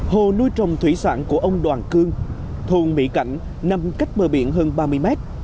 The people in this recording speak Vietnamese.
hồ nuôi trồng thủy sản của ông đoàn cương thôn mỹ cảnh nằm cách bờ biển hơn ba mươi mét